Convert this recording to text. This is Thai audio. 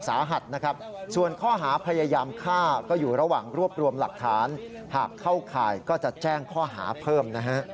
สาหัสส่วนข้อหาพยายาม